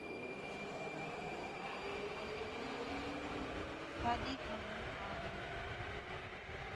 ہم نے بعض افراد کے گرد عقیدتوں کے جالے بن رکھے ہیں۔